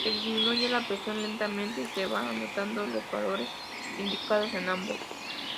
Se disminuye la presión lentamente y se va anotando los valores indicados en ambos.